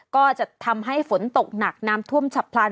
ก็จะทำให้ฝนตกหนักน้ำท่วมฉับพลัน